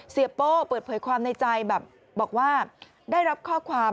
โป้เปิดเผยความในใจแบบบอกว่าได้รับข้อความ